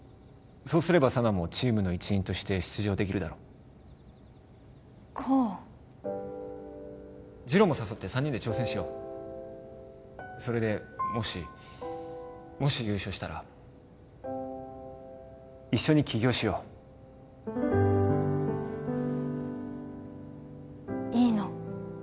そうすれば佐奈もチームの一員として出場できるだろ功次郎も誘って三人で挑戦しようそれでもしもし優勝したら一緒に起業しよういいの？